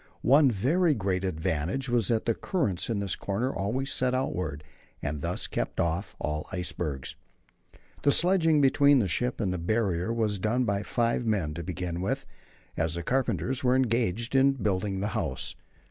One very great advantage was that the currents in this corner always set outward, and thus kept off all icebergs. The sledging between the ship and the Barrier was done by five men to begin with, as the carpenters were engaged in building the house.